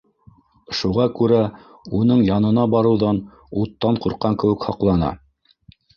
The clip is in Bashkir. Шуға күрә уның янына барыуҙан уттан ҡурҡҡан кеүек һаҡлана.